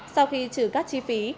sau khi trừ các chi phí